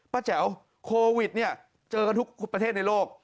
ป้าแจ๋วโควิดเจอกันทุกประเทศในโลก